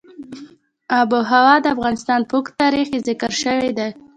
آب وهوا د افغانستان په اوږده تاریخ کې ذکر شوی دی.